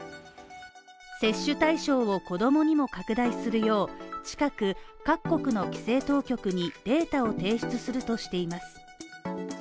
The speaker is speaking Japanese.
接種対象を子供にも拡大するよう近く各国の規制当局にデータを提出するとしています